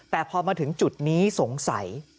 แต่พอมาถึงจุดนี้สงสัย